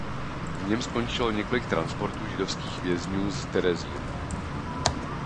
V něm skončilo několik transportů židovských vězňů z Terezína.